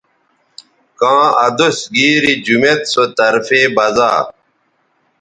کاں ادوس گیری جمیت سو طرفے بزا